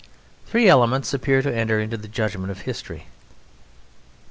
Three elements appear to enter into the judgment of history.